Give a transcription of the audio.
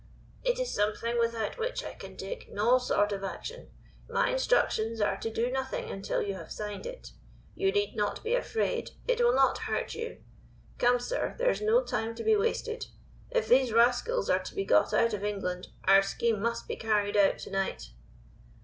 "It is something without which I can take no sort of action. My instructions are to do nothing until you have signed it. You need not be afraid; it will not hurt you. Come, sir, there is no time to be wasted. If these rascals are to be got out of England our scheme must be carried out to night."